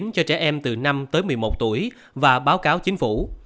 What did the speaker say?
cho trẻ em từ năm tới một mươi một tuổi và báo cáo chính phủ